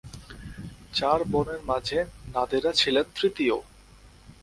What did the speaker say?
চার বোনের মাঝে নাদিরা ছিলেন তৃতীয়।